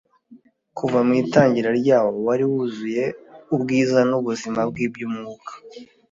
kuva mu itangira ryawo, wari wuzuye ubwiza n'ubuzima bw'iby'umwuka.